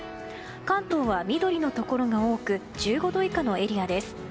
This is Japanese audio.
関東は緑のところが多く１５度以下のエリアです。